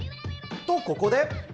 と、ここで。